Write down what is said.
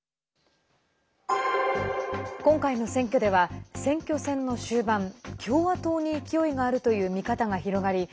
今回の選挙では選挙戦の終盤共和党に勢いがあるという見方が広がり